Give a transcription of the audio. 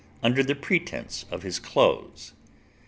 under the pretence of his clothes.